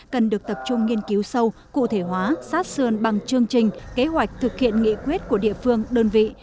cần được tập trung nghiên cứu sâu cụ thể hóa sát sườn bằng chương trình kế hoạch thực hiện nghị quyết của địa phương đơn vị